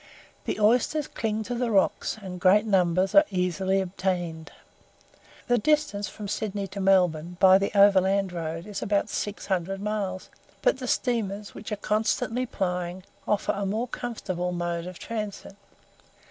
The oysters cling to the rocks, and great numbers are easily obtained. The distance from Sydney to Melbourne, by the overland road, is about six hundred miles; but the steamers, which are constantly plying, afford a more comfortable mode of transit.